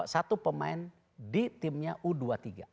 satu pemain di timnya u dua puluh tiga